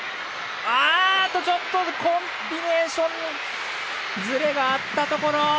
あっとちょっとコンビネーションズレがあったところ。